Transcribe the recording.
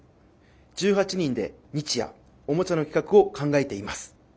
１８人で日夜おもちゃの企画を考えています。